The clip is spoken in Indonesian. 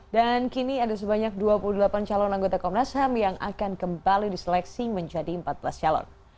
dan kini ada sebanyak dua puluh delapan calon anggota komnas ham yang akan kembali diseleksi menjadi empat belas calon